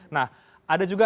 nah ada juga